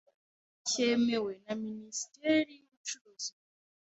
cyemewe na Minisiteri y’Ubucuruzi mu Rwanda.